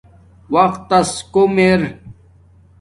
وقت تس کوم ار